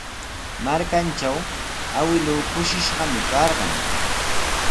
Markantraw awkilluu trikishqami karqan.